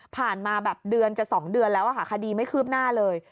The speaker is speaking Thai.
มาแบบเดือนจะ๒เดือนแล้วค่ะคดีไม่คืบหน้าเลย